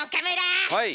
はい。